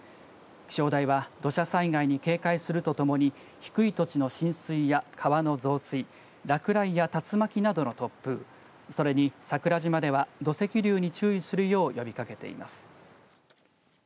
気象台は土砂災害に警戒するとともに低い土地の浸水や川の増水、落雷や竜巻などの突風、それに桜島では土石流に注意するよう呼びかけています。